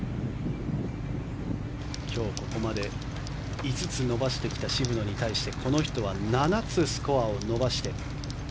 今日ここまで５つ伸ばしてきた渋野に対しこの人は７つスコアを伸ばして。